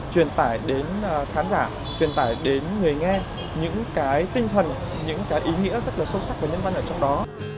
truyền tải đến khán giả truyền tải đến người nghe những cái tinh thần những cái ý nghĩa rất là sâu sắc và nhân văn ở trong đó